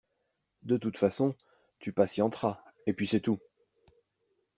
De toute façon, tu patienteras, et puis c’est tout.